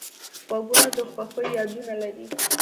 غوږونه د خوښیو یادونه لري